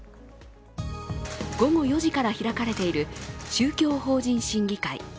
午後４時から開かれている宗教法人審議会。